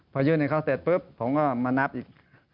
พอยื่นให้เขาเสร็จปุ๊บผมก็มานับอีก